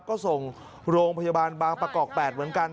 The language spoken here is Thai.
ก็ส่งโรงพยาบาลบางประกอบ๘เหมือนกัน